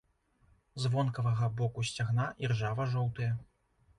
З вонкавага боку сцягна іржава-жоўтыя.